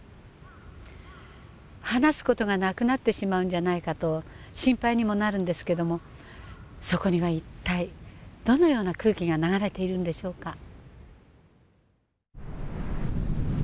話す事がなくなってしまうんじゃないかと心配にもなるんですけどもそこには一体どのような空気が流れているんでしょうか？